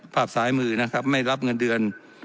ภาพซ้ายมือนะครับไม่รับเงินเดือน